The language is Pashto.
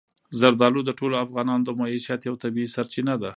زردالو د ټولو افغانانو د معیشت یوه طبیعي سرچینه ده.